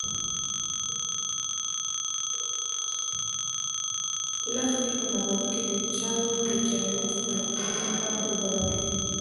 لښتې په نغري کې د چایو د چاینک د ډکولو لپاره اوبه راوړې.